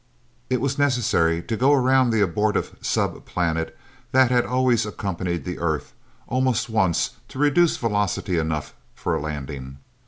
It was necessary to go around the abortive sub planet that had always accompanied the Earth, almost once, to reduce velocity enough for a landing.